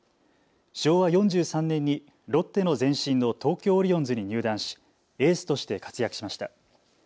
昭和４３年にロッテの前身の東京オリオンズに入団しエースとして活躍しました。